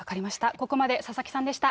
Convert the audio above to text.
ここまで佐々木さんでした。